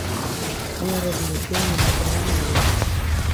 Unha revolución no mapa urbano galego.